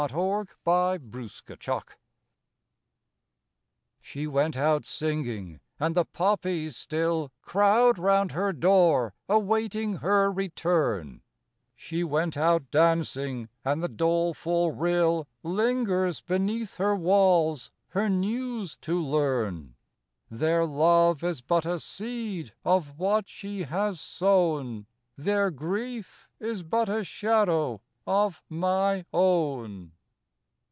52 SHE WENT OUT SINGING She went out singing, and the poppies still Crowd round her door awaiting her return; She went out dancing, and the doleful rill Lingers beneath her walls her news to learn. Their love is but a seed of what she has sown; Their grief is but a shadow of my own.